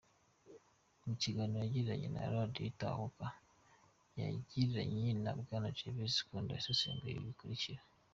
Mu kiganiro yagiranye na Radio Itahuka yagiranye na Bwana Gervais Condo yasesenguye ibi bikurikira: